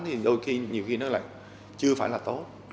thì đôi khi nhiều khi nó lại chưa phải là tốt